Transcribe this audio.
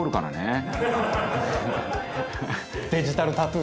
デジタルタトゥー。